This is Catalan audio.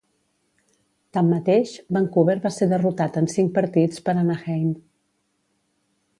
Tanmateix, Vancouver va ser derrotat en cinc partits per Anaheim.